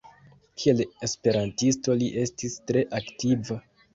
Kiel esperantisto li estis tre aktiva.